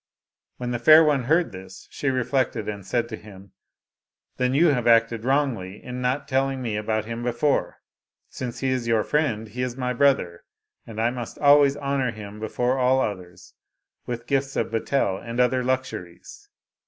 When the fair one heard this, she reflected, and said to him, " Then you have acted wrongly in not telling me about him before. Since he is your friend, he is my brother, and I must always honor him before all others with gifts of betel and other luxuries."